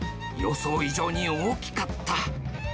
予想以上に大きかった。